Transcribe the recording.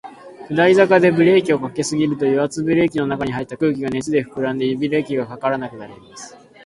下り坂でブレーキを掛けすぎると、油圧ブレーキの中に入った空気が熱で膨らんで、ブレーキが掛からなくなります。